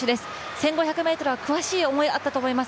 １５００ｍは悔しい思いあったと思います。